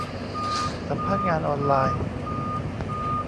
สัมภาษณ์งานออนไลน์